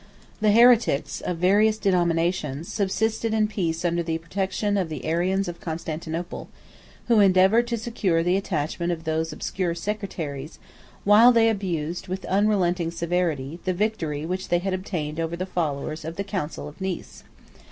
25 The heretics, of various denominations, subsisted in peace under the protection of the Arians of Constantinople; who endeavored to secure the attachment of those obscure sectaries, while they abused, with unrelenting severity, the victory which they had obtained over the followers of the council of Nice.